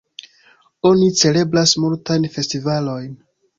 Oni celebras multajn festivalojn.